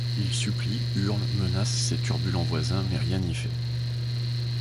Il supplie, hurle, menace ses turbulents voisins mais rien n’y fait.